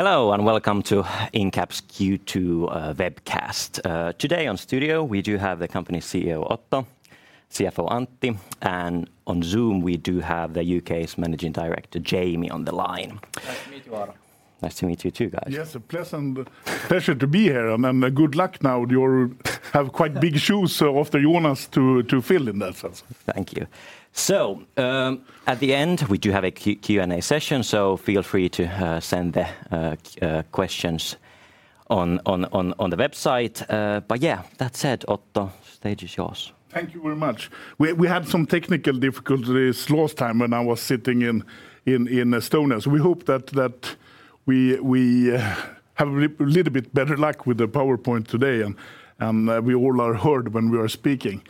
Hello, and welcome to Incap's Q2 webcast. Today on studio we do have the company CEO, Otto, CFO, Antti, and on Zoom we do have the UK's Managing Director, Jamie, on the line. Nice to meet you, Aaro. Nice to meet you too, guys. Yes, it's a pleasure to be here. Good luck now. You have quite big shoes of the Jonas to fill in that sense. Thank you. At the end, we do have a Q&A session, so feel free to send the questions on the website. Yeah, that said, Otto, stage is yours. Thank you very much. We had some technical difficulties last time when I was sitting in Estonia. We hope we have a little bit better luck with the PowerPoint today and we all are heard when we are speaking.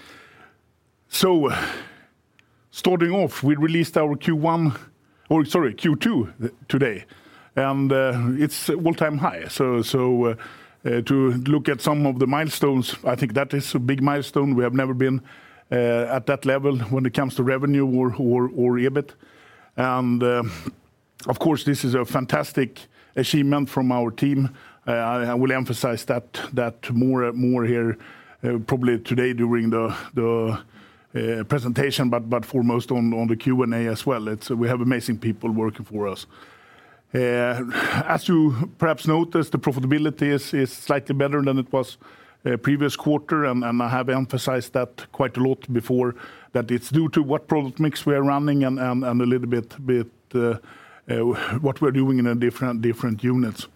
Starting off, we released our Q2 today, and it's all-time high. To look at some of the milestones, I think that is a big milestone. We have never been at that level when it comes to revenue or EBIT. Of course, this is a fantastic achievement from our team. I will emphasize that more here probably today during the presentation, but foremost on the Q&A as well. We have amazing people working for us. As you perhaps noticed, the profitability is slightly better than it was previous quarter, and I have emphasized that quite a lot before, that it's due to what product mix we are running and a little bit what we're doing in different units.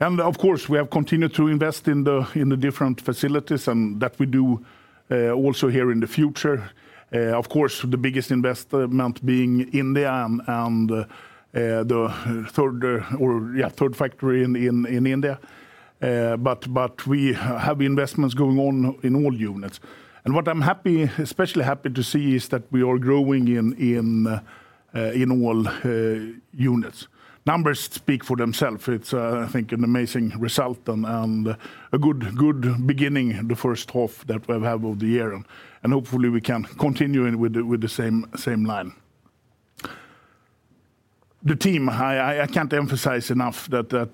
Of course, we have continued to invest in the different facilities and that we do also here in the future. Of course, the biggest investment in India and the third factory in India. But we have investments going on in all units. What I'm especially happy to see is that we are growing in all units. Numbers speak for themselves. It's, I think an amazing result and a good beginning, the first half that we've had of the year, and hopefully we can continue with the same line. The team, I can't emphasize enough that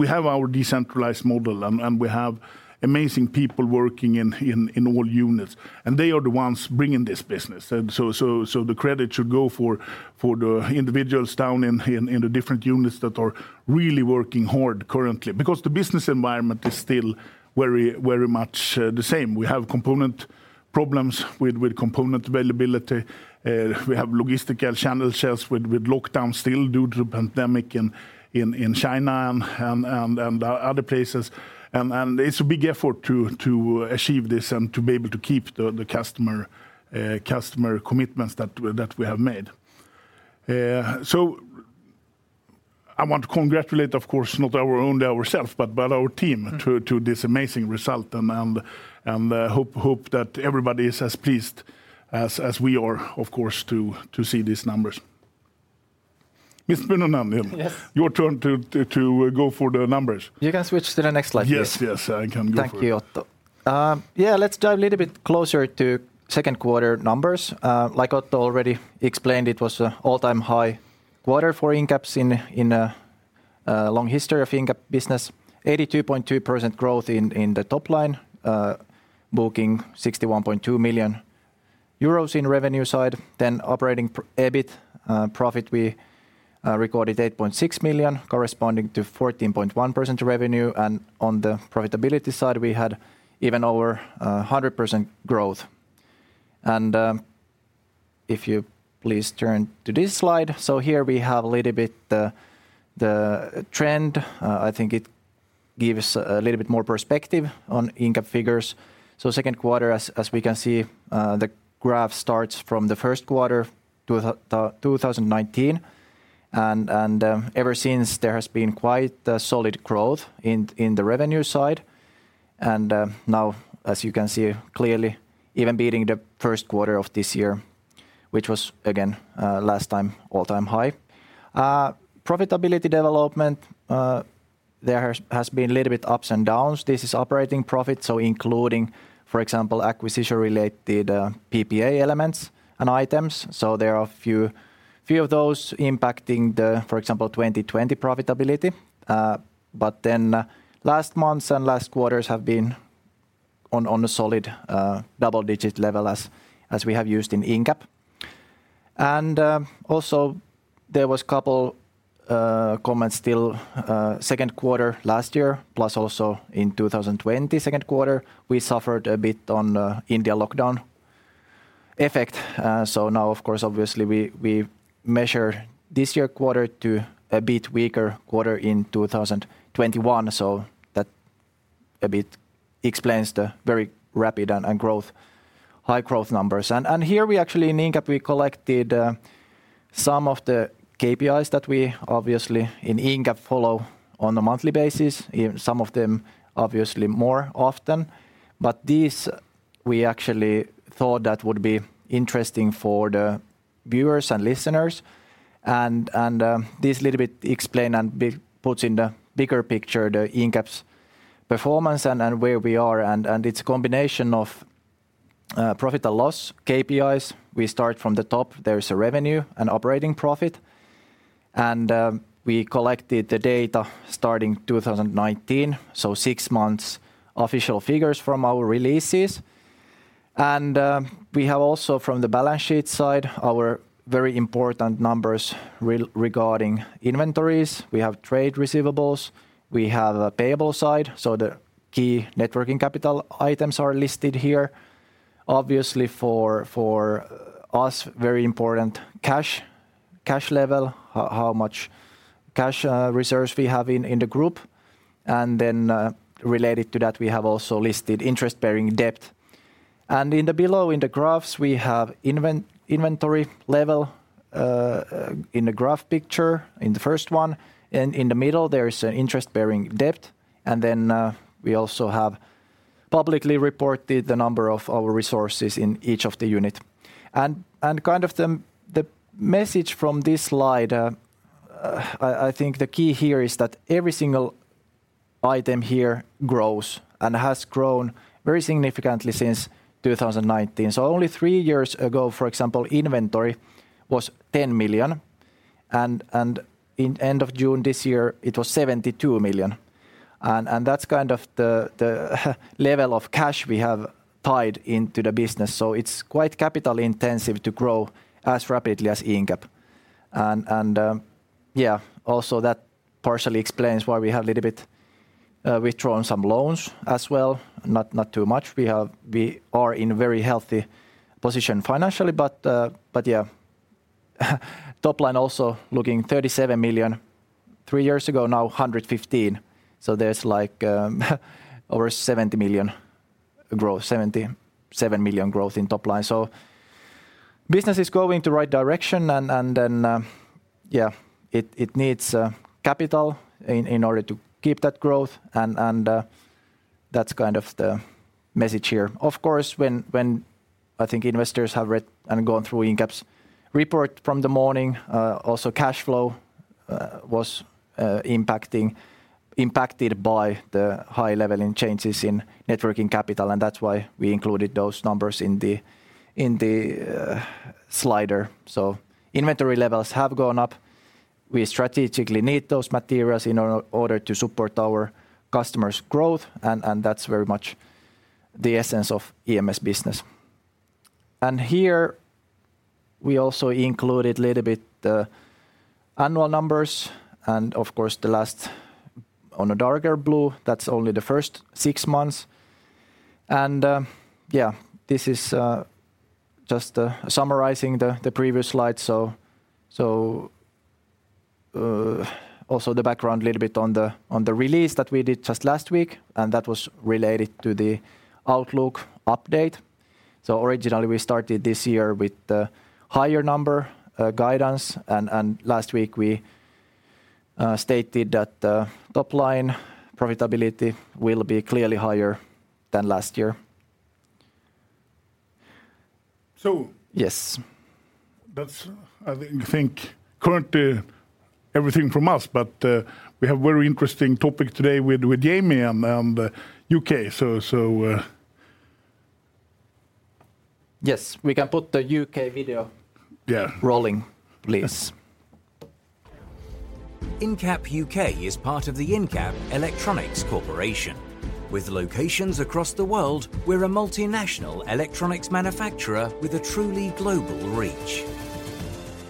we have our decentralized model and we have amazing people working in all units, and they are the ones bringing this business. The credit should go for the individuals down in the different units that are really working hard currently because the business environment is still very much the same. We have component problems with component availability. We have logistical challenges with lockdown still due to the pandemic in China and other places. It's a big effort to achieve this and to be able to keep the customer commitments that we have made. I want to congratulate, of course, not ourselves, but our team to this amazing result and hope that everybody is as pleased as we are, of course, to see these numbers. Mr. Pynnönen. Yes Your turn to go for the numbers. You can switch to the next slide, please. Yes, yes, I can go for it. Thank you, Otto. Yeah, let's dive a little bit closer to Q2 numbers. Like Otto already explained, it was an all-time high quarter for Incap's long history of Incap business. 82.2% growth in the top line, booking 61.2 million euros in revenue side. Then operating EBIT profit, we recorded 8.6 million corresponding to 14.1% to revenue, and on the profitability side we had even over 100% growth. If you please turn to this slide. Here we have a little bit the trend. I think it gives a little bit more perspective on Incap figures. Q2, as we can see, the graph starts from the Q1 2019, and ever since there has been quite a solid growth in the revenue side. Now as you can see clearly, even beating the Q1 of this year, which was again last time all-time high. Profitability development, there has been a little bit ups and downs. This is operating profit, so including, for example, acquisition-related PPA elements and items. There are a few of those impacting the, for example, 2020 profitability. But then last month and last quarters have been on a solid double-digit level as we have used in Incap. Also there was a couple comments to the Q2 last year, plus also in 2020 Q2, we suffered a bit on India lockdown effect. Now of course obviously we measure this year quarter to a bit weaker quarter in 2021, so that a bit explains the very rapid and high growth numbers. Here we actually in Incap, we collected some of the KPIs that we obviously in Incap follow on a monthly basis, some of them obviously more often. These we actually thought that would be interesting for the viewers and listeners and this a little bit puts in the bigger picture the Incap's performance and where we are and it's a combination of profit and loss KPIs, we start from the top. There's a revenue and operating profit, and we collected the data starting 2019, so six months official figures from our releases. We have also from the balance sheet side, our very important numbers regarding inventories. We have trade receivables. We have a payable side, so the key net working capital items are listed here. Obviously for us, very important cash level, how much cash reserves we have in the group, and then, related to that, we have also listed interest-bearing debt. In the below, in the graphs, we have inventory level in the graph picture in the first one, and in the middle, there is interest-bearing debt, and then we also have publicly reported the number of our resources in each of the unit. kind of the message from this slide, I think the key here is that every single item here grows and has grown very significantly since 2019. Only three years ago, for example, inventory was 10 million, and at the end of June this year, it was 72 million. That's kind of the level of cash we have tied into the business, so it's quite capital-intensive to grow as rapidly as Incap. Also that partially explains why we have little bit withdrawn some loans as well, not too much. We are in very healthy position financially, but yeah. Top line also looking 37 million three years ago, now 115, so there's like over 70 million growth, 77 million growth in top line. Business is going the right direction, and then yeah, it needs capital in order to keep that growth, and that's kind of the message here. Of course, when I think investors have read and gone through Incap's report from the morning, also cash flow was impacted by the high level in changes in net working capital, and that's why we included those numbers in the slide. Inventory levels have gone up. We strategically need those materials in order to support our customers' growth, and that's very much the essence of EMS business. Here, we also included a little bit annual numbers and of course the last one in a darker blue. That's only the first six months, and yeah, this is just summarizing the previous slide. Also the background a little bit on the release that we did just last week, and that was related to the Outlook update. Originally, we started this year with the higher number guidance, and last week we stated that the top line profitability will be clearly higher than last year. So- Yes That's, I think, currently everything from us, but we have very interesting topic today with Jamie and UK, so. Yes. We can put the UK video- Yeah Rolling, please. Yeah. Incap UK is part of the Incap Corporation. With locations across the world, we're a multinational electronics manufacturer with a truly global reach.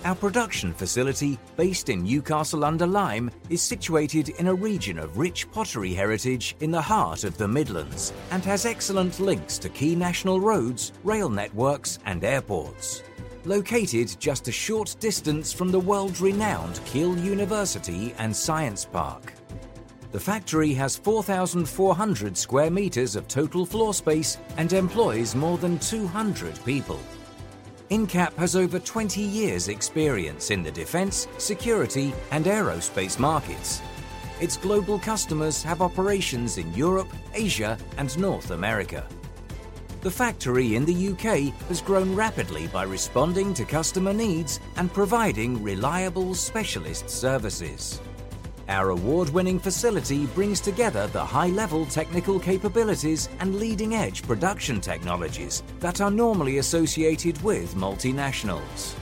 Our production facility, based in Newcastle-under-Lyme, is situated in a region of rich pottery heritage in the heart of the Midlands and has excellent links to key national roads, rail networks, and airports. Located just a short distance from the world-renowned Keele University and Science Park, the factory has 4,400 square meters of total floor space and employs more than 200 people. Incap has over 20 years' experience in the defense, security, and aerospace markets. Its global customers have operations in Europe, Asia, and North America. The factory in the UK has grown rapidly by responding to customer needs and providing reliable specialist services. Our award-winning facility brings together the high-level technical capabilities and leading-edge production technologies that are normally associated with multinationals.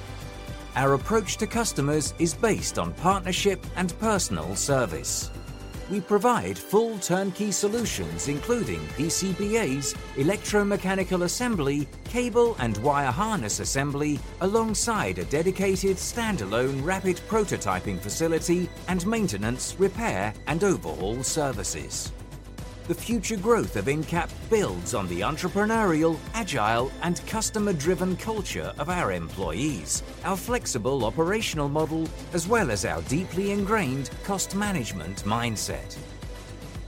Our approach to customers is based on partnership and personal service. We provide full turnkey solutions, including PCBAs, electromechanical assembly, cable and wire harness assembly, alongside a dedicated standalone rapid prototyping facility and maintenance, repair, and overhaul services. The future growth of Incap builds on the entrepreneurial, agile, and customer-driven culture of our employees, our flexible operational model, as well as our deeply ingrained cost management mindset.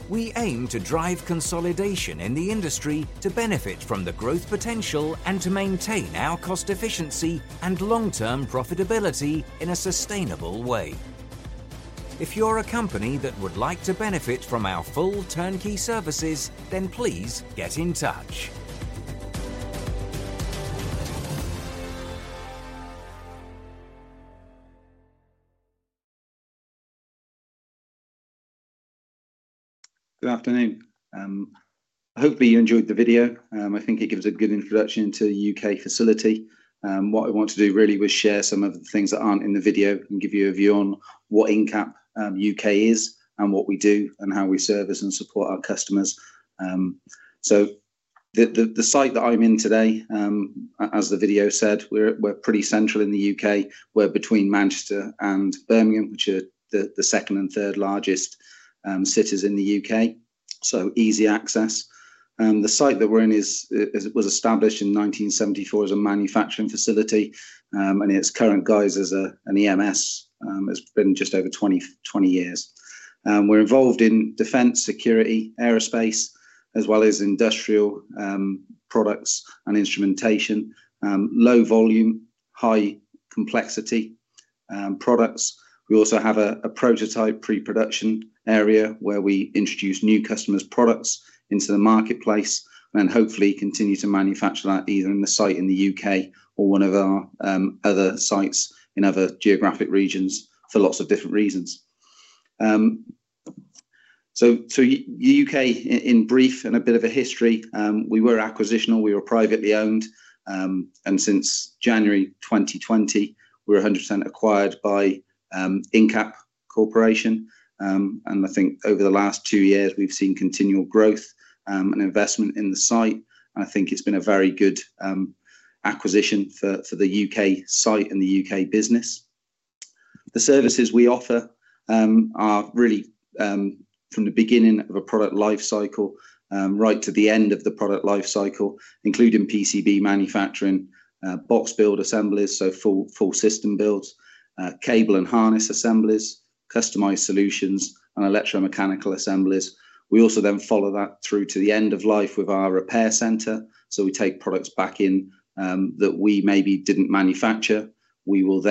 We aim to drive consolidation in the industry to benefit from the growth potential and to maintain our cost efficiency and long-term profitability in a sustainable way. If you're a company that would like to benefit from our full turnkey services, then please get in touch. Good afternoon. Hopefully you enjoyed the video. I think it gives a good introduction to U.K. facility. What I want to do really was share some of the things that aren't in the video and give you a view on what Incap UK is and what we do and how we service and support our customers. The site that I'm in today, as the video said, we're pretty central in the U.K. We're between Manchester and Birmingham, which are the second and third largest cities in the U.K., so easy access. The site that we're in was established in 1974 as a manufacturing facility, and in its current guise as an EMS has been just over 20 years. We're involved in defense, security, aerospace, as well as industrial products and instrumentation. Low volume, high complexity products. We also have a prototype pre-production area where we introduce new customers' products into the marketplace and hopefully continue to manufacture that either in the site in the U.K. or one of our other sites in other geographic regions for lots of different reasons. U.K. in brief and a bit of a history, we were acquired, we were privately owned, and since January 2020, we're 100% acquired by Incap Corporation. I think over the last two years, we've seen continual growth and investment in the site, and I think it's been a very good acquisition for the U.K. site and the U.K. business. The services we offer are really from the beginning of a product life cycle right to the end of the product life cycle, including PCB manufacturing, box build assemblies, so full system builds, cable and harness assemblies, customized solutions, and electromechanical assemblies. We also follow that through to the end of life with our repair center, so we take products back in that we maybe didn't manufacture. We will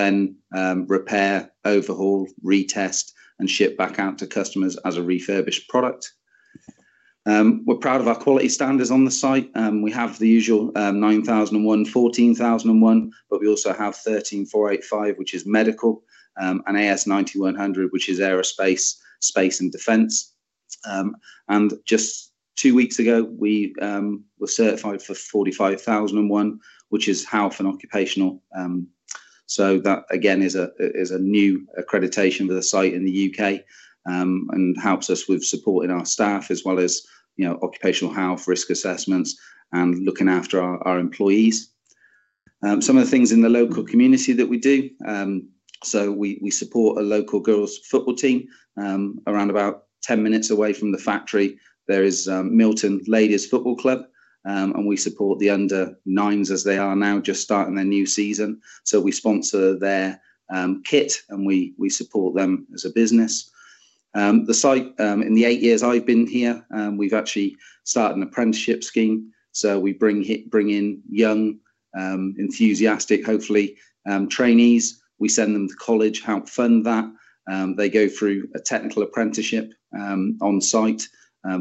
repair, overhaul, retest, and ship back out to customers as a refurbished product. We're proud of our quality standards on the site. We have the usual ISO 9001, ISO 14001, but we also have ISO 13485, which is medical, and AS9100, which is aerospace, space and defense. Just two weeks ago, we were certified for ISO 45001, which is health and occupational. That again is a new accreditation for the site in the UK and helps us with supporting our staff as well as, you know, occupational health, risk assessments, and looking after our employees. Some of the things in the local community that we do, we support a local girls' football team. Around about 10 minutes away from the factory, there is Milton United Ladies Football Club, and we support the under nines as they are now just starting their new season. We sponsor their kit, and we support them as a business. The site, in the eight years I've been here, we've actually started an apprenticeship scheme. We bring in young, enthusiastic, hopefully, trainees. We send them to college, help fund that. They go through a technical apprenticeship, on site,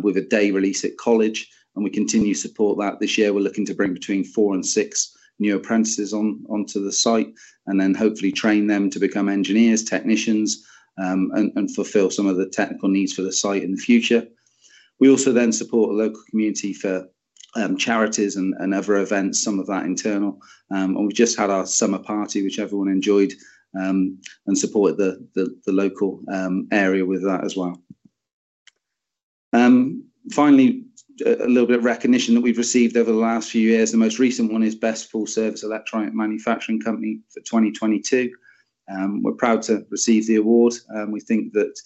with a day release at college, and we continue to support that. This year, we're looking to bring between four and six new apprentices onto the site and then hopefully train them to become engineers, technicians, and fulfill some of the technical needs for the site in the future. We also then support a local community for, charities and other events, some of that internal. And we've just had our summer party, which everyone enjoyed, and supported the local area with that as well. Finally, a little bit of recognition that we've received over the last few years. The most recent one is Best Full-Service Electronic Manufacturing Company for 2022. We're proud to have received the award. We think that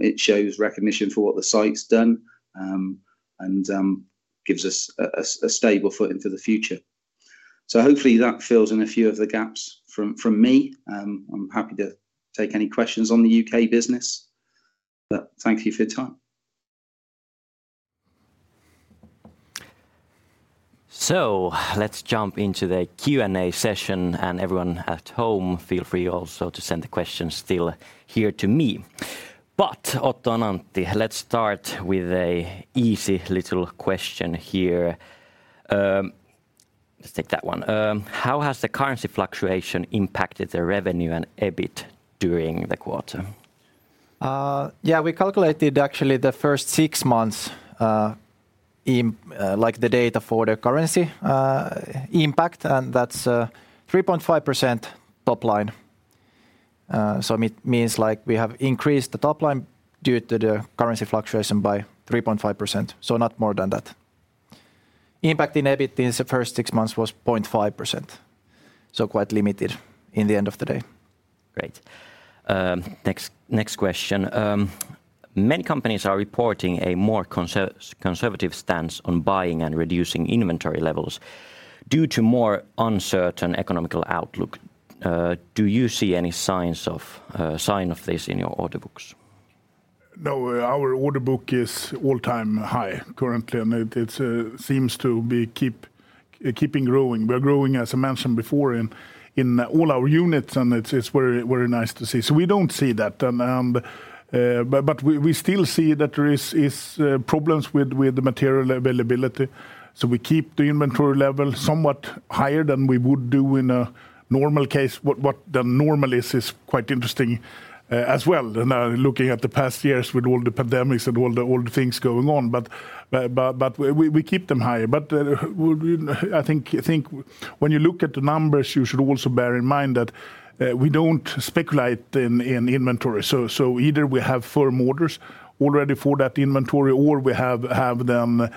it shows recognition for what the site's done and gives us a stable footing for the future. Hopefully that fills in a few of the gaps from me. I'm happy to take any questions on the UK business, but thank you for your time. Let's jump into the Q&A session, and everyone at home feel free also to send the questions still here to me. Otto and Antti, let's start with an easy little question here. Let's take that one. How has the currency fluctuation impacted the revenue and EBIT during the quarter? Yeah, we calculated actually the first six months, like the data for the currency impact, and that's 3.5% top line. So it means like we have increased the top line due to the currency fluctuation by 3.5%, so not more than that. Impact in EBIT in the first six months was 0.5%, so quite limited in the end of the day. Great. Next question. Many companies are reporting a more conservative stance on buying and reducing inventory levels due to more uncertain economic outlook. Do you see any signs of this in your order books? No. Our order book is all-time high currently, and it seems to be keeping growing. We're growing, as I mentioned before, in all our units, and it's very nice to see. We don't see that then. But we still see that there is problems with the material availability, so we keep the inventory level somewhat higher than we would do in a normal case. What the normal is is quite interesting, as well, looking at the past years with all the pandemics and all the things going on. We keep them high. I think when you look at the numbers, you should also bear in mind that we don't speculate in inventory. Either we have firm orders already for that inventory or we have them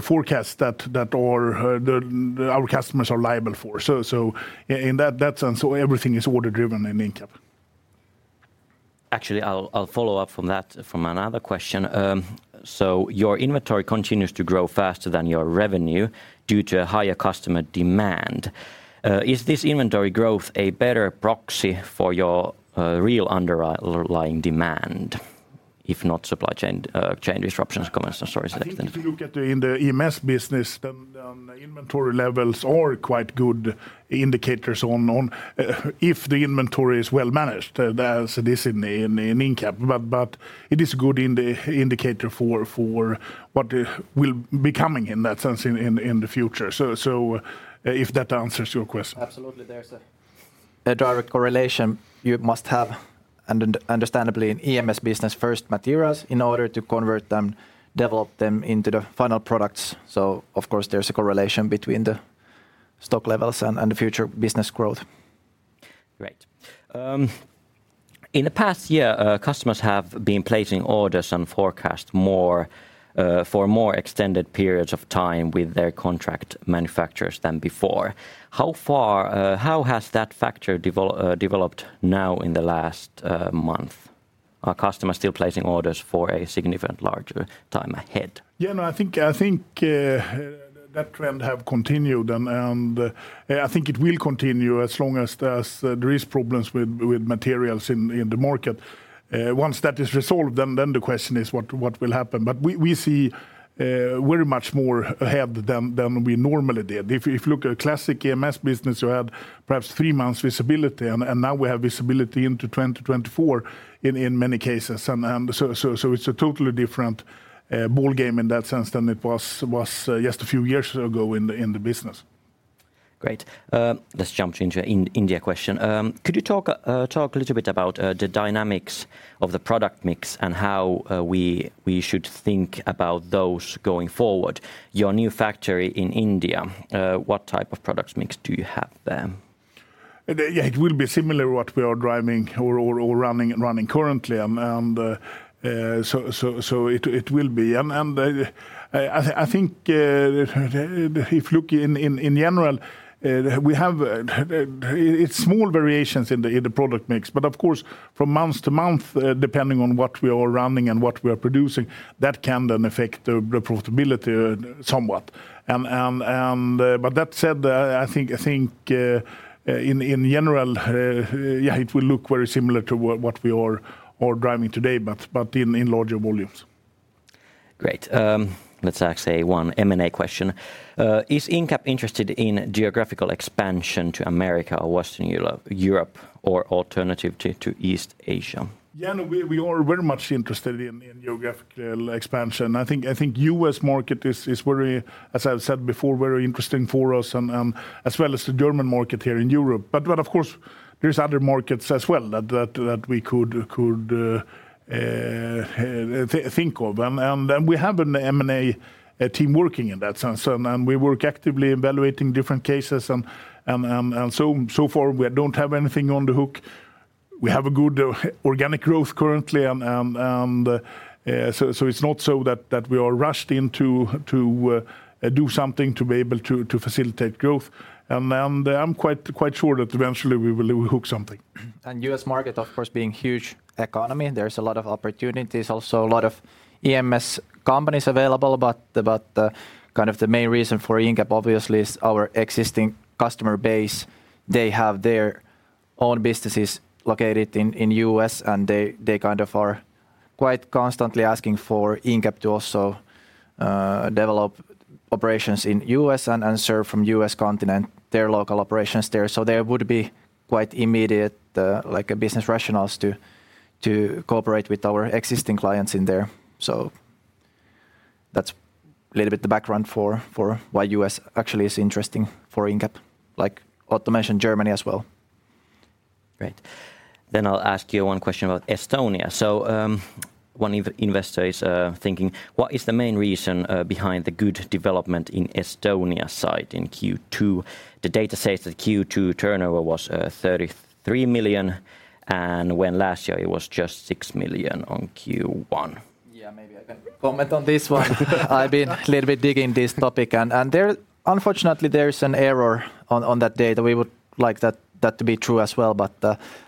forecast that our customers are liable for. In that sense, so everything is order driven in Incap. Actually, I'll follow up from that another question. Your inventory continues to grow faster than your revenue due to higher customer demand. Is this inventory growth a better proxy for your real underlying demand, if not supply chain disruptions? Comments or stories there. I think if you look at the EMS business, inventory levels are quite good indicators of if the inventory is well managed, as it is in Incap. It is a good indicator for what will be coming in that sense in the future. If that answers your question. Absolutely. There's a direct correlation you must understandably in EMS business raw materials in order to convert them, develop them into the final products. Of course there's a correlation between the stock levels and the future business growth. Great. In the past year, customers have been placing orders and forecasts more for more extended periods of time with their contract manufacturers than before. How has that factor developed now in the last month? Are customers still placing orders for a significant larger time ahead? Yeah, no, I think that trend have continued and I think it will continue as long as there is problems with materials in the market. Once that is resolved, then the question is what will happen. But we see very much more ahead than we normally did. If you look at classic EMS business you had perhaps three months visibility and now we have visibility into 2024 in many cases. It's a totally different ballgame in that sense than it was just a few years ago in the business. Great. Let's jump into India question. Could you talk a little bit about the dynamics of the product mix and how we should think about those going forward? Your new factory in India, what type of product mix do you have there? Yeah, it will be similar to what we are driving or running currently, and so it will be. I think if you look in general, it's small variations in the product mix. Of course, from month-to-month, depending on what we are running and what we are producing, that can then affect the profitability somewhat. That said, I think in general, yeah, it will look very similar to what we are driving today, but in larger volumes. Great. Let's ask, say, one M&A question. Is Incap interested in geographical expansion to America or Western Europe or alternative to East Asia? Yeah, no, we are very much interested in geographical expansion. I think U.S. market is very, as I've said before, very interesting for us and as well as the German market here in Europe. Of course there's other markets as well that we could think of. We have an M&A team working in that sense. We work actively evaluating different cases and so far we don't have anything on the hook. We have a good organic growth currently and so it's not so that we are rushed into to do something to be able to facilitate growth. I'm quite sure that eventually we will hook something. U.S. market, of course, being a huge economy, there's a lot of opportunities, also a lot of EMS companies available. Kind of the main reason for Incap obviously is our existing customer base. They have their own businesses located in U.S,. and they kind of are quite constantly asking for Incap to also develop operations in U.S. and serve from U.S. continent their local operations there. There would be quite immediate, like a business rationale to cooperate with our existing clients in there. That's a little bit the background for why U.S. actually is interesting for Incap, like Otto mentioned Germany as well. Great. I'll ask you one question about Estonia. One investor is thinking, what is the main reason behind the good development in Estonia site in Q2? The data says that Q2 turnover was 33 million, and in last year it was just 6 million in Q1. Yeah. Maybe I can comment on this one. I've been little bit deep in this topic. Unfortunately, there is an error on that data. We would like that to be true as well, but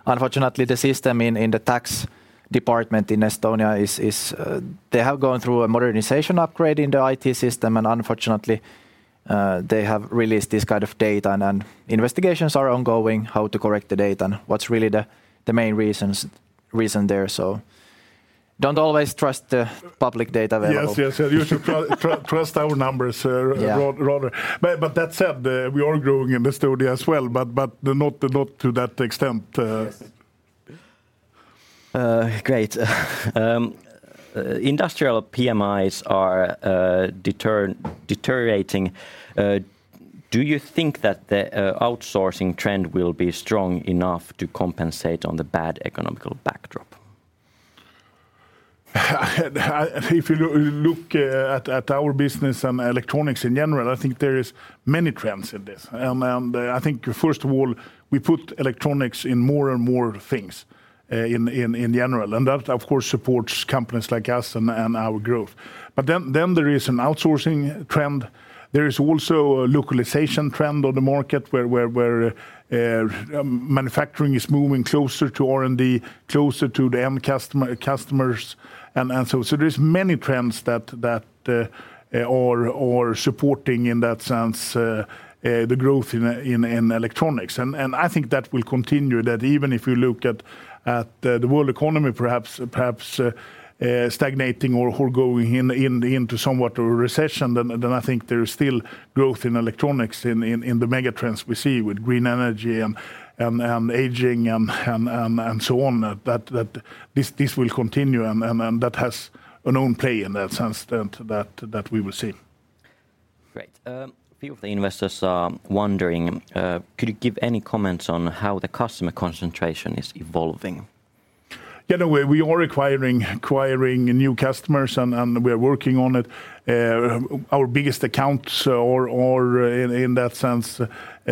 unfortunately the system in the tax department in Estonia. They have gone through a modernization upgrade in the IT system, and unfortunately they have released this kind of data, and investigations are ongoing how to correct the data and what's really the main reason there. Don't always trust the public data available. Yes, yes. You should trust our numbers. Yeah Rather. That said, we are growing in Estonia as well, but not to that extent. Yes Great. Industrial PMIs are deteriorating. Do you think that the outsourcing trend will be strong enough to compensate on the bad economic backdrop? If you look at our business and electronics in general, I think there is many trends in this. I think first of all, we put electronics in more and more things, in general, and that of course supports companies like us and our growth. Then there is an outsourcing trend. There is also a localization trend on the market where manufacturing is moving closer to R&D, closer to the end customers, and so. There's many trends that are supporting in that sense, the growth in electronics. I think that will continue, that even if you look at the world economy perhaps stagnating or going into somewhat of a recession, then I think there is still growth in electronics in the mega trends we see with green energy and aging and so on. That this will continue and that has its own play in that sense that we will see. Great. A few of the investors are wondering, could you give any comments on how the customer concentration is evolving? Yeah, the way we are acquiring new customers and we're working on it. Our biggest accounts are in that sense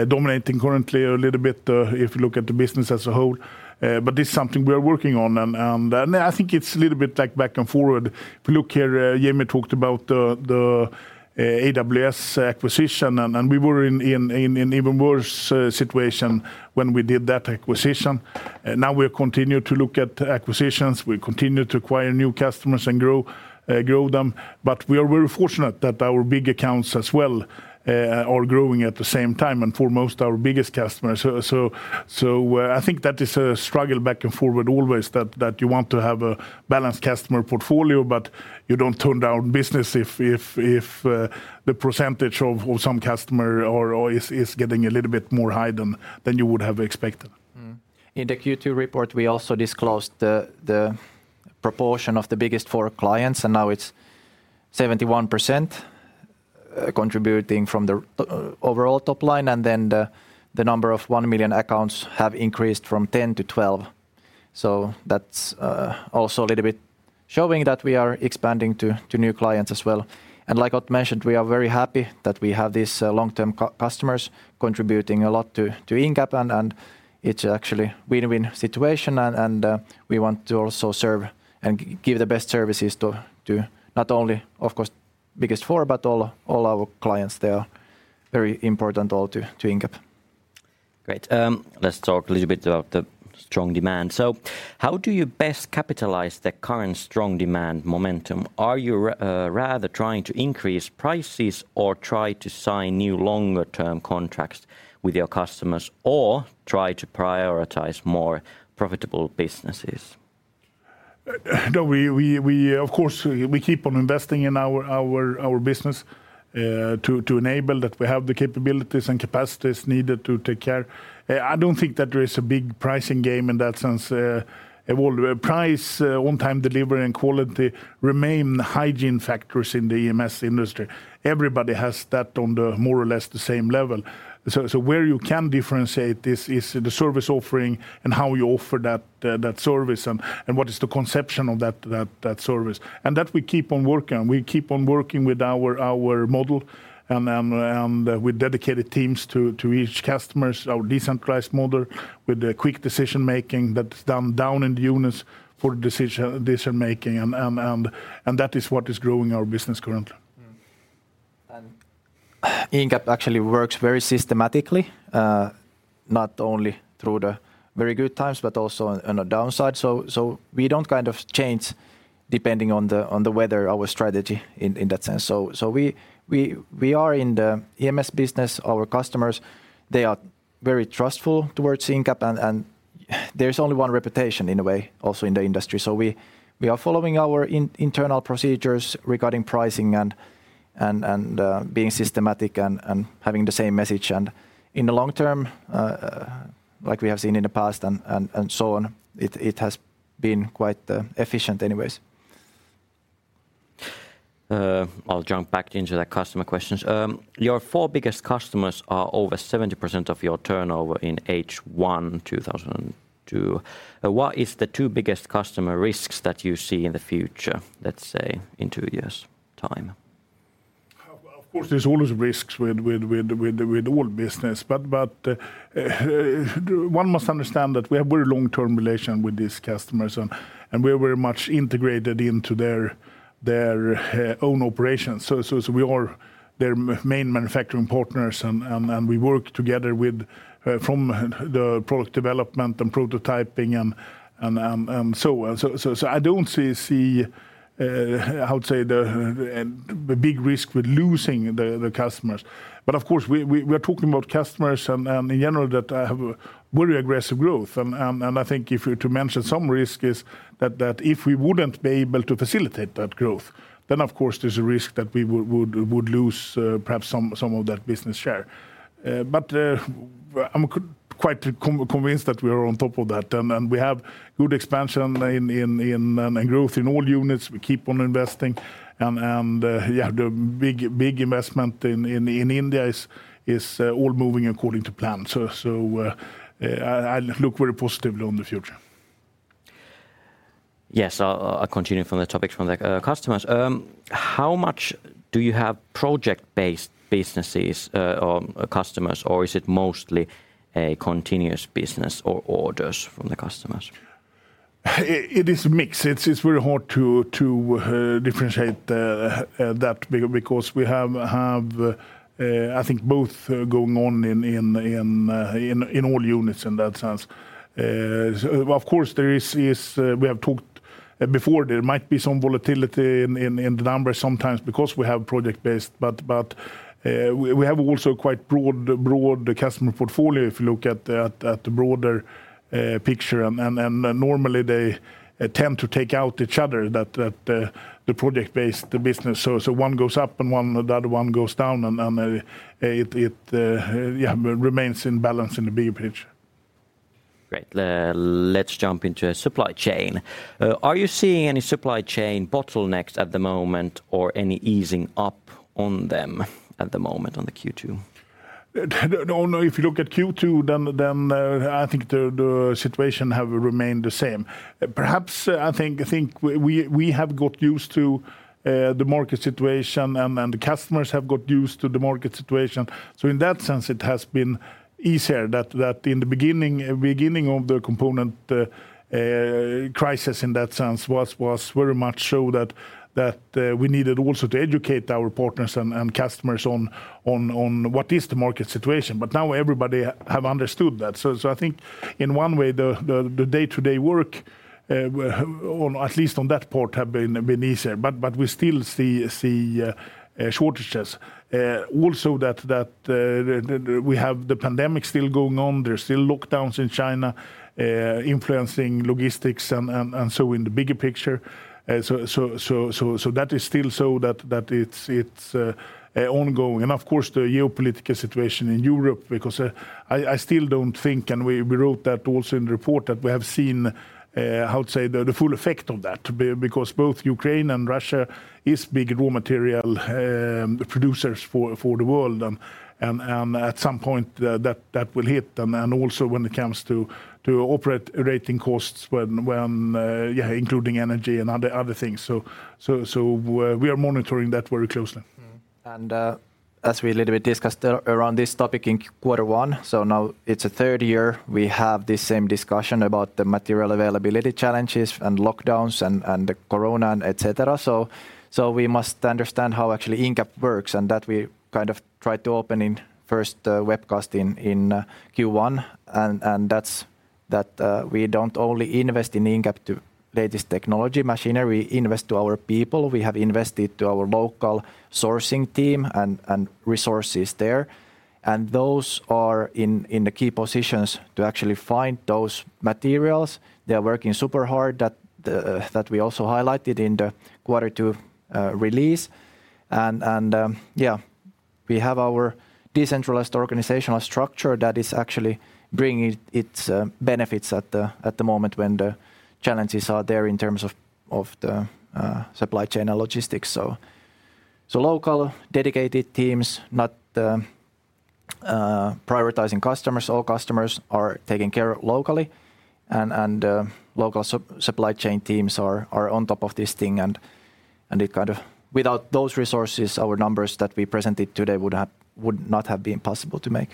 dominating currently a little bit, if you look at the business as a whole. This is something we are working on. I think it's a little bit like back and forward. If you look here, Jamie talked about the AWS acquisition, and we were in an even worse situation when we did that acquisition. Now we continue to look at acquisitions. We continue to acquire new customers and grow them, but we are very fortunate that our big accounts as well are growing at the same time, and foremost our biggest customers. I think that is a struggle back and forth always that you want to have a balanced customer portfolio, but you don't turn down business if the percentage of some customer or is getting a little bit higher than you would have expected. Mm. In the Q2 report, we also disclosed the proportion of the biggest four clients, and now it's 71% contributing to the overall top line, and then the number of one million accounts have increased from 10 to 12. That's also a little bit showing that we are expanding to new clients as well. Like Otto mentioned, we are very happy that we have these long-term customers contributing a lot to Incap, and it's actually win-win situation, and we want to also serve, and give the best services to not only of course biggest four, but all our clients. They are very important all to Incap. Great. Let's talk a little bit about the strong demand. How do you best capitalize the current strong demand momentum? Are you rather trying to increase prices or try to sign new longer-term contracts with your customers or try to prioritize more profitable businesses? No, we of course keep on investing in our business to enable that we have the capabilities and capacities needed to take care. I don't think that there is a big pricing game in that sense. Well, price, on time delivery and quality remain the hygiene factors in the EMS industry. Everybody has that on the more or less the same level. Where you can differentiate this is the service offering and how you offer that service and what is the conception of that service. We keep on working. We keep on working with our model and with dedicated teams to each customer, our decentralized model with the quick decision-making that's done down in the units for decision-making and that is what is growing our business currently. Mm. Incap actually works very systematically, not only through the very good times, but also on a downside. So we don't kind of change depending on the weather our strategy in that sense. So we are in the EMS business. Our customers, they are very trustful towards Incap, and there's only one reputation in a way also in the industry. So we are following our internal procedures regarding pricing and being systematic and having the same message. In the long term, like we have seen in the past and so on, it has been quite efficient anyways. I'll jump back into the customer questions. Your four biggest customers are over 70% of your turnover in H1 2022. What is the two biggest customer risks that you see in the future, let's say in two years' time? Of course, there's always risks with all business. One must understand that we have very long-term relation with these customers and we're very much integrated into their own operations. We are their main manufacturing partners and we work together from the product development and prototyping and so on. I don't see how to say the big risk with losing the customers. Of course we are talking about customers and in general that have a very aggressive growth. I think if you're to mention some risk is that if we wouldn't be able to facilitate that growth, then of course there's a risk that we would lose perhaps some of that business share. I'm quite convinced that we are on top of that and we have good expansion in and growth in all units. We keep on investing and yeah, the big investment in India is all moving according to plan. I look very positively on the future. Yes, I'll continue from the topics from the customers. How much do you have project-based businesses or customers, or is it mostly a continuous business or orders from the customers? It is a mix. It is very hard to differentiate that because we have I think both going on in all units in that sense. Of course, there is. We have talked before there might be some volatility in the numbers sometimes because we have project-based, but we have also quite broad customer portfolio if you look at the broader picture and normally they tend to cancel each other out, the project-based business. One goes up, the other one goes down, and it remains in balance in the bigger picture. Great. Let's jump into supply chain. Are you seeing any supply chain bottlenecks at the moment or any easing up on them at the moment on the Q2? No, no. If you look at Q2, then I think the situation have remained the same. Perhaps I think we have got used to the market situation, and the customers have got used to the market situation. In that sense, it has been easier that in the beginning of the component crisis in that sense was very much so that we needed also to educate our partners and customers on what is the market situation, but now everybody have understood that. I think in one way the day-to-day work on at least that part have been easier. We still see shortages also that we have the pandemic still going on. There's still lockdowns in China, influencing logistics and so in the bigger picture. That is still ongoing. Of course, the geopolitical situation in Europe, because I still don't think, and we wrote that also in the report, that we have seen, I would say, the full effect of that because both Ukraine and Russia is big raw material producers for the world and at some point that will hit them, and also when it comes to operating costs, including energy and other things. We are monitoring that very closely. As we a little bit discussed around this topic in Q1, now it's the third year we have this same discussion about the material availability challenges and lockdowns and the corona and et cetera. We must understand how actually Incap works, and that we kind of tried to open in first webcast in Q1 and that's that, we don't only invest in Incap, the latest technology machinery, invest in our people. We have invested in our local sourcing team and resources there, and those are in the key positions to actually find those materials. They are working super hard, that we also highlighted in the Q2 release and yeah, we have our decentralized organizational structure that is actually bringing its benefits at the moment when the challenges are there in terms of the supply chain and logistics. Local dedicated teams prioritizing customers. All customers are taken care of locally and local supply chain teams are on top of things, and without those resources, our numbers that we presented today would not have been possible to make.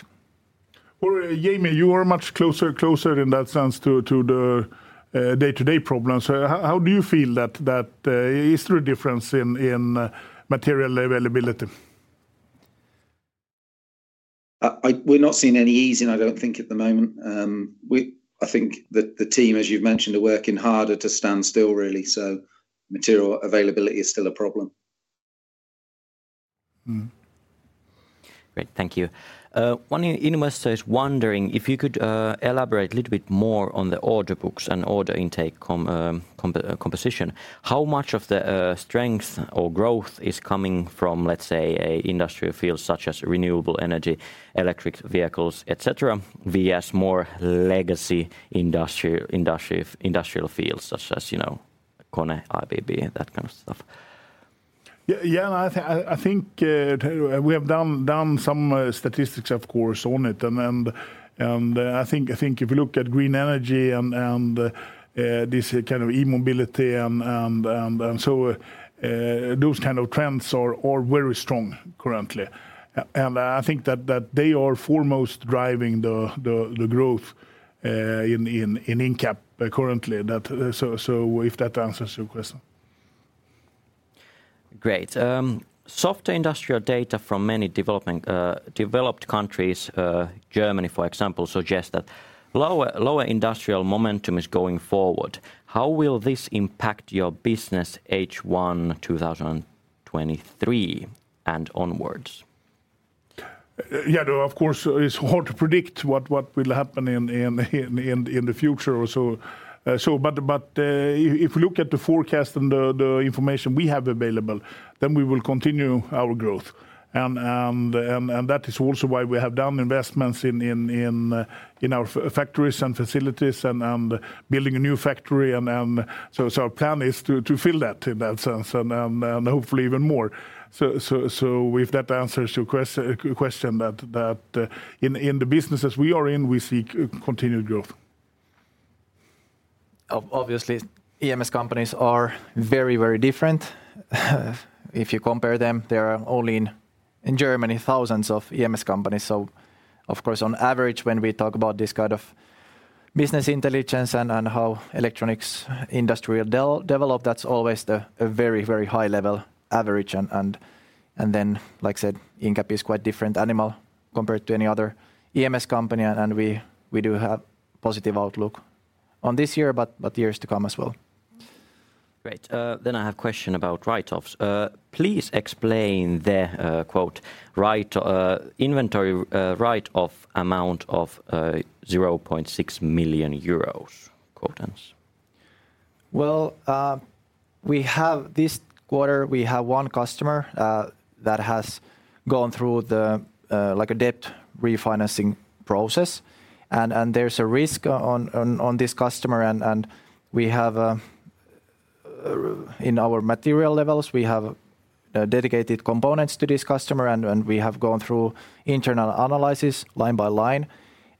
Well, Jamie, you are much closer in that sense to the day-to-day problems. How do you feel that? Is there a difference in material availability? We're not seeing any easing, I don't think, at the moment. I think the team, as you've mentioned, are working harder to stand still really, so material availability is still a problem. Mm. Great. Thank you. One investor is wondering if you could elaborate a little bit more on the order books and order intake composition. How much of the strength or growth is coming from, let's say, a industrial field such as renewable energy, electric vehicles, et cetera, versus more legacy industrial fields such as, you know, KONE, ABB, that kind of stuff? Yeah, I think, Tero, we have done some statistics of course on it and I think if you look at green energy and this kind of e-mobility and so those kind of trends are very strong currently. I think that they are foremost driving the growth in Incap currently. If that answers your question. Great. Soft industrial data from many developed countries, Germany, for example, suggest that lower industrial momentum is going forward. How will this impact your business H1 2023 and onwards? Yeah, of course, it's hard to predict what will happen in the future or so. If you look at the forecast and the information we have available, then we will continue our growth, and that is also why we have done investments in our factories and facilities and building a new factory. If that answers your question, then in the businesses we are in, we seek continued growth. Obviously EMS companies are very, very different. If you compare them, there are only in Germany thousands of EMS companies. Of course on average when we talk about this kind of business intelligence and how electronics industry developed, that's always a very, very high level average and then, like I said, Incap is quite different animal compared to any other EMS company and we do have positive outlook on this year but years to come as well. Great. I have question about write-offs. Please explain the quote, "Write inventory write-off amount of 0.6 million euros," quote ends. Well, this quarter we have one customer that has gone through like a debt refinancing process and there's a risk on this customer, and in our material levels we have dedicated components to this customer and we have gone through internal analysis line by line,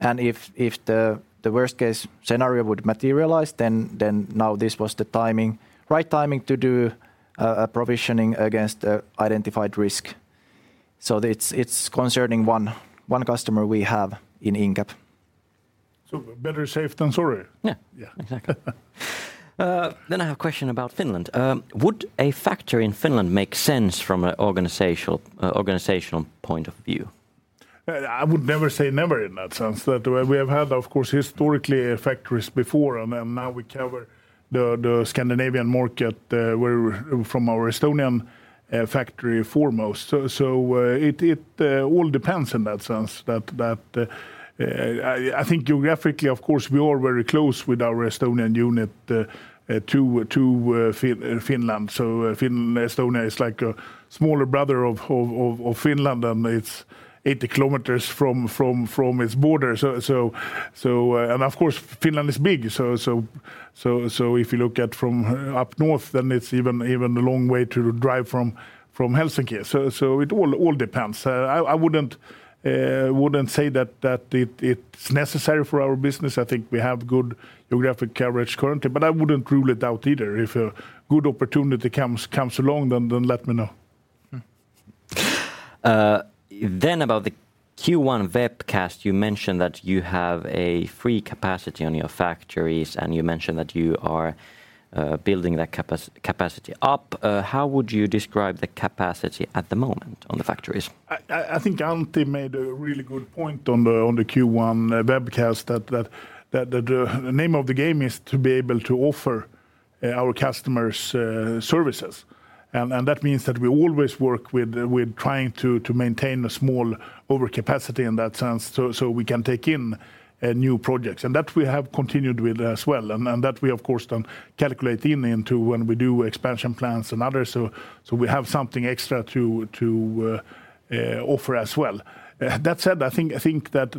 and if the worst case scenario would materialize, then now this was the timing, right timing to do a provisioning against an identified risk. It's concerning one customer we have in Incap. Better safe than sorry. Yeah. Yeah. Exactly. I have question about Finland. Would a factory in Finland make sense from a organizational point of view? I would never say never in that sense that we have had, of course, historically, factories before, and now we cover the Scandinavian market where, from our Estonian factory, foremost. It all depends in that sense. I think geographically, of course, we are very close with our Estonian unit to Finland. Finland, Estonia is like a smaller brother of Finland, and it's 80 km from its border. Of course, Finland is big, so if you look from up north, then it's even a long way to drive from Helsinki. It all depends. I wouldn't say that it's necessary for our business. I think we have good geographic coverage currently, but I wouldn't rule it out either. If a good opportunity comes along, then let me know. About the Q1 webcast, you mentioned that you have a free capacity on your factories and you mentioned that you are building that capacity up. How would you describe the capacity at the moment on the factories? I think Antti made a really good point on the Q1 webcast that the name of the game is to be able to offer our customers services. That means that we always work with trying to maintain a small overcapacity in that sense so we can take in new projects, and that we have continued with as well and that we of course don't calculate into when we do expansion plans and others so we have something extra to offer as well. That said, I think that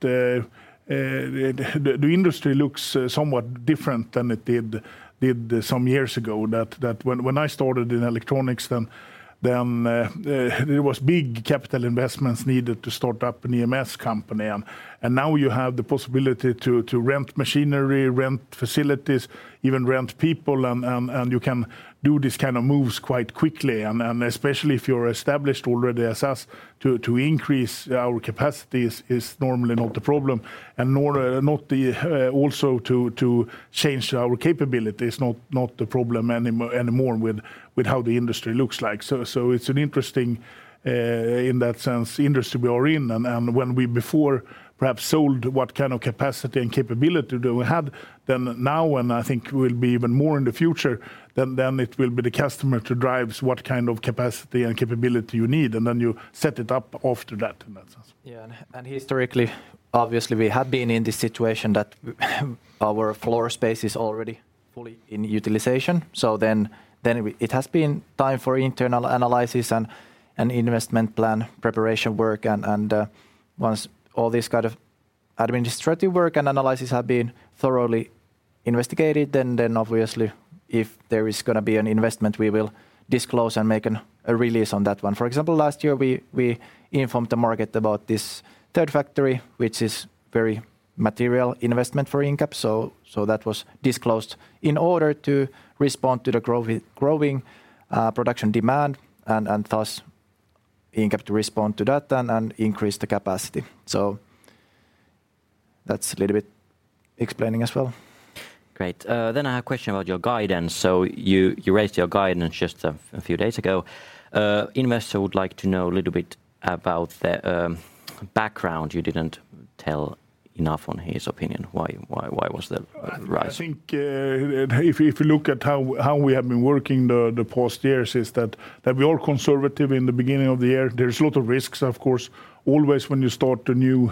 the industry looks somewhat different than it did some years ago. When I started in electronics then there was big capital investments needed to start up an EMS company and now you have the possibility to rent machinery, rent facilities, even rent people and you can do this kind of moves quite quickly and especially if you're established already as us to increase our capacities is normally not a problem and to change our capabilities not a problem anymore with how the industry looks like. It's an interesting in that sense industry we are in. When we before perhaps sold what kind of capacity and capability do we have, then now and I think will be even more in the future than it will be the customer to drives what kind of capacity and capability you need, and then you set it up after that in that sense. Yeah. Historically, obviously, we have been in this situation that our floor space is already fully in utilization. It has been time for internal analysis and investment plan preparation work and once all this kind of administrative work and analysis have been thoroughly investigated, then obviously if there is gonna be an investment, we will disclose and make a release on that one. For example, last year we informed the market about this third factory which is very material investment for Incap, so that was disclosed in order to respond to the growing production demand and thus Incap to respond to that and increase the capacity. That's a little bit explaining as well. Great. I have question about your guidance. You raised your guidance just a few days ago. Investor would like to know a little bit about the background. You didn't tell enough, in his opinion. Why was the rise? I think if you look at how we have been working the past years is that we are conservative in the beginning of the year. There's a lot of risks of course always when you start a new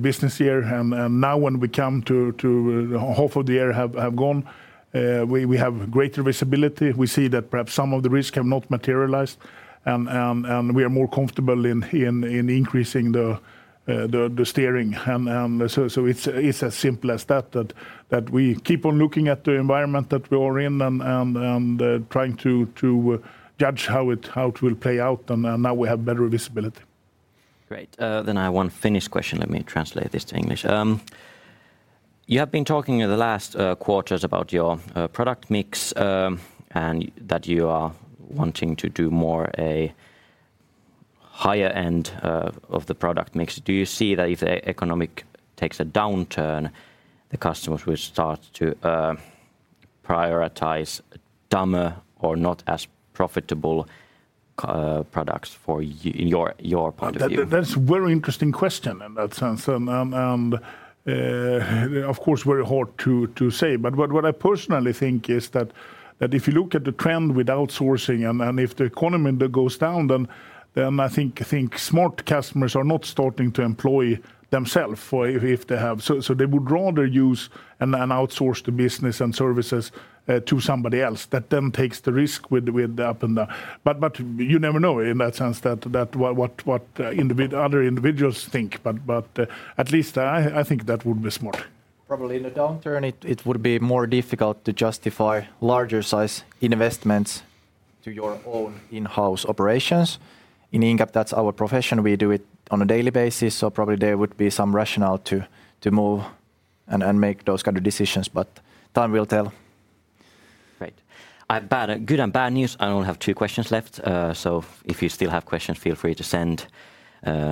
business year. Now when we come to half of the year have gone, we have greater visibility. We see that perhaps some of the risk have not materialized and we are more comfortable in increasing the steering. It's as simple as that we keep on looking at the environment that we are in and trying to judge how it will play out and now we have better visibility. Great. I have one Finnish question. Let me translate this to English. You have been talking in the last quarters about your product mix, and that you are wanting to do more of a higher end of the product mix. Do you see that if the economy takes a downturn, the customers will start to prioritize dumber or not as profitable products for your point of view? That's very interesting question in that sense and of course very hard to say. What I personally think is that if you look at the trend with outsourcing and if the economy goes down, then I think smart customers are not starting to employ themself or if they have. They would rather use and then outsource the business and services to somebody else that then takes the risk with the up and down. At least I think that would be smart. Probably in a downturn it would be more difficult to justify larger size investments to your own in-house operations. In Incap, that's our profession. We do it on a daily basis, so probably there would be some rationale to move and make those kind of decisions, but time will tell. Great. I have bad, good, and bad news. I only have two questions left. If you still have questions, feel free to send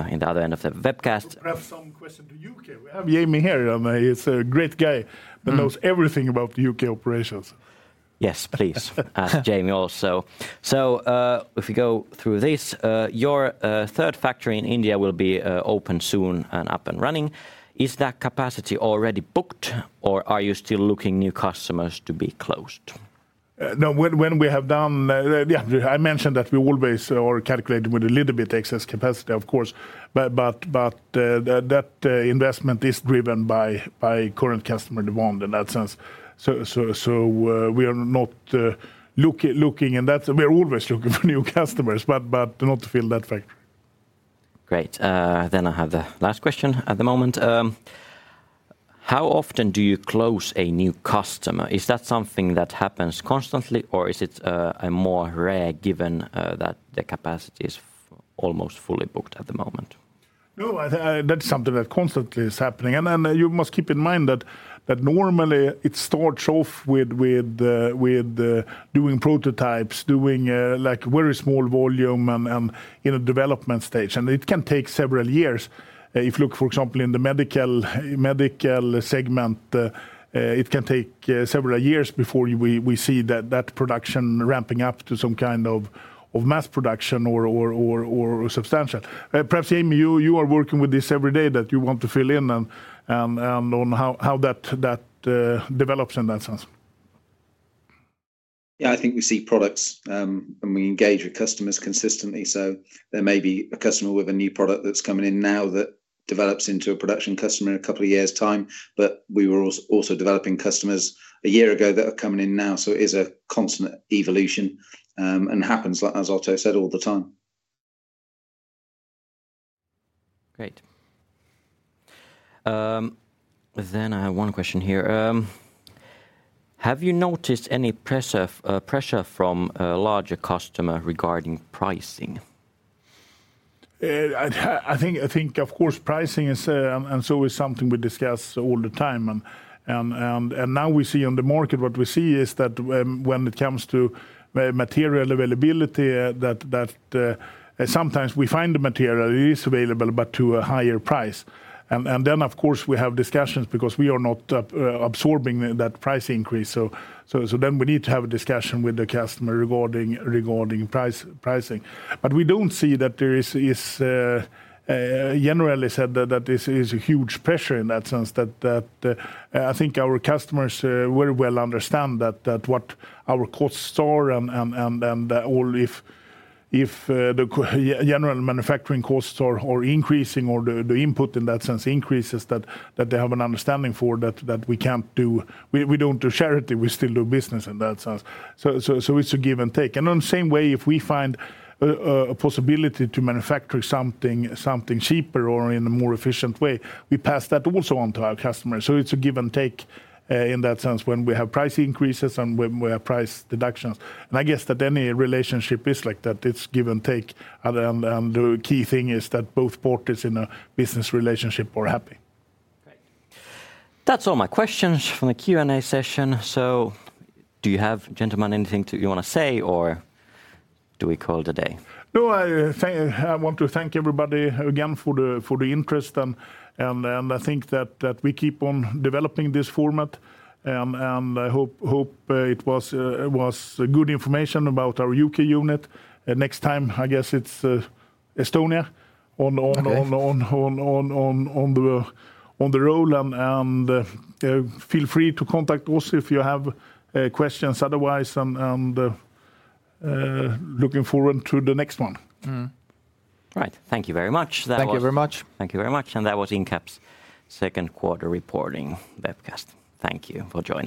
in the other end of the webcast. Perhaps some question to U.K. We have Jamie here, and he's a great guy. Mm That knows everything about the U.K. operations. Yes, please, ask Jamie also. If you go through this, your third factory in India will be open soon and up and running. Is that capacity already booked, or are you still looking for new customers to close? No, when we have done, yeah, I mentioned that we always are calculating with a little bit excess capacity, of course. That investment is driven by current customer demand in that sense. We are not looking, in that we are always looking for new customers, but not to fill that factory. Great. I have the last question at the moment. How often do you close a new customer? Is that something that happens constantly, or is it a more rare, given that the capacity is almost fully booked at the moment? No, I think that's something that constantly is happening. You must keep in mind that normally it starts off with doing prototypes, doing like very small volume and in a development stage, and it can take several years. If you look, for example, in the medical segment, it can take several years before we see that production ramping up to some kind of mass production or substantial. Perhaps, Jamie, you are working with this every day, that you want to fill in on how that develops in that sense. Yeah, I think we see products when we engage with customers consistently. There may be a customer with a new product that's coming in now that develops into a production customer in a couple of years' time. We were also developing customers a year ago that are coming in now, so it is a constant evolution and happens, like as Otto said, all the time. Great. I have one question here. Have you noticed any pressure from a larger customer regarding pricing? I think of course pricing is something we discuss all the time and now we see on the market what we see is that when it comes to material availability sometimes we find the material is available but to a higher price. Then of course we have discussions because we are not absorbing that price increase so then we need to have a discussion with the customer regarding pricing. We don't see that there is generally said that this is a huge pressure in that sense. I think our customers very well understand that what our costs are and all. If the general manufacturing costs are increasing or the input in that sense increases, that they have an understanding for that we can't do charity. We still do business in that sense. It's a give and take. In the same way, if we find a possibility to manufacture something cheaper or in a more efficient way, we pass that also on to our customers. It's a give and take in that sense when we have price increases and when we have price deductions. I guess that any relationship is like that. It's give and take. The key thing is that both parties in a business relationship are happy. Great. That's all my questions from the Q&A session. Do you have, gentlemen, anything you want to say, or do we call it a day? No, I want to thank everybody again for the interest, and I think that we keep on developing this format, and I hope it was good information about our UK unit. Next time I guess it's Estonia on. Okay On the road. Feel free to contact us if you have questions otherwise, and looking forward to the next one. Right. Thank you very much. Thank you very much. Thank you very much, and that was Incap's second quarter reporting webcast. Thank you for joining us.